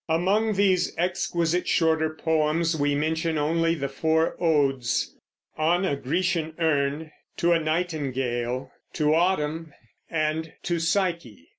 Among these exquisite shorter poems we mention only the four odes, "On a Grecian Urn," "To a Nightingale," "To Autumn," and "To Psyche."